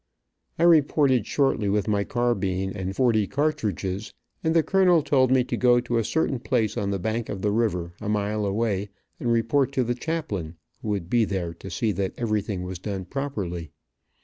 I reported shortly, with my carbine and forty cartridges, and the colonel told me to go to a certain place on the bank of the river, a mile away, and report to the chaplain, who would be there to see that everything was done properly.